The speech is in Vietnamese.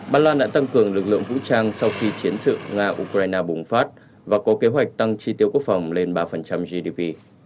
ba lan đã tăng cường lực lượng vũ trang sau khi chiến sự nga ukraine bùng phát và có kế hoạch tăng chi tiêu quốc phòng lên ba gdp